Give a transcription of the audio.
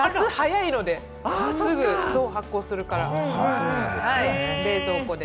夏は早いので、すぐ発酵するから冷蔵庫で。